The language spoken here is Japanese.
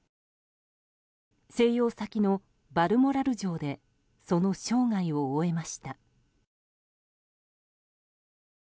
静養先のバルモラル城でその生涯を終えました。